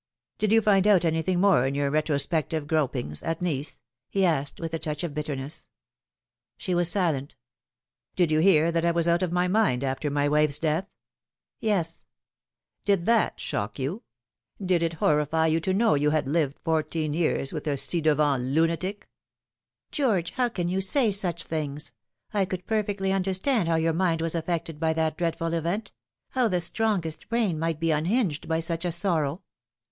" Did you find out anything more in your retrospective gropings at Nice ?" he asked, with a touch of bitterness. She was silent. " Did \pn hear that I was out of my mind after my wife's death ?"" Yes." " Did that shock you ? Did it horrify you to know you had lived fourteen years with a ci devant lunatic ?"" George, how can you say such things ! I could perfectly understand how your mind was affected by that dreadful event how the strongest brain might be unhinged by such a sorrow.